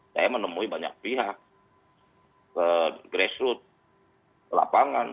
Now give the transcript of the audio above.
saya menemui banyak pihak ke grassroots ke lapangan